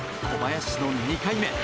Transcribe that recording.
小林の２回目。